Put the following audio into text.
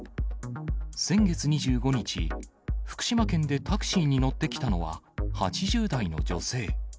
先月２５日、福島県でタクシーに乗ってきたのは、８０代の女性。